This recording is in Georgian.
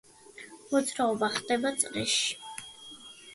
მოძრაობა ხდება წრეში.